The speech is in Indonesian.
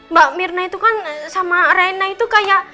mbak mirna itu kan sama raina itu kayak